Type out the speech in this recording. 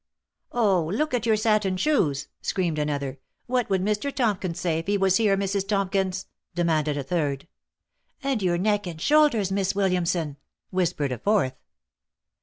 " Oh ! look at your satin shoes !" screamed another. " What would Mr. Tomkins say if he was here, Mrs. Tomkins V demanded a third. " And your neck and shoulders, Miss Williamson !" whispered a fourth.